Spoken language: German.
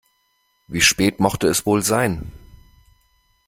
Wie spät mochte es wohl sein?